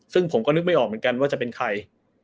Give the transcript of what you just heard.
ซึ่งผมก็นึกไม่ออกเหมือนกันว่าจะเป็นใคร